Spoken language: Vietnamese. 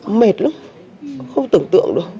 nó mệt lắm không tưởng tượng được